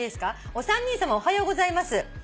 「お三人さまおはようございます」